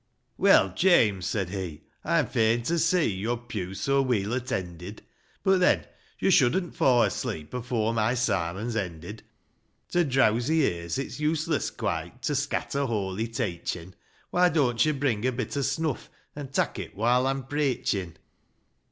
VI. " Well, James," said he, " I'm fain to see Your pew so weel attended, But then, yo shouldn't fo' asleep Afore my sarmon's ended ; To dreawsy ears it's useless quite To scatter holy teychin' ;' Why don't yo bring a bit o' snuff. An' tak' it while I'm preychin' ?